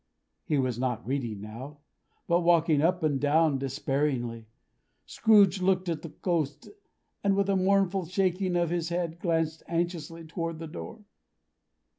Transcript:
He was not reading now, but walking up and down despairingly. Scrooge looked at the Ghost, and with a mournful shaking of his head, glanced anxiously toward the door.